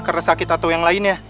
karena sakit atau yang lainnya